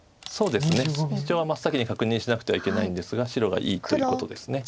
そうですねシチョウは真っ先に確認しなくてはいけないんですが白がいいということです。